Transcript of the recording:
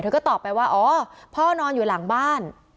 ก็ตอบไปว่าอ๋อพ่อนอนอยู่หลังบ้าน